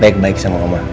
baik baik sama mama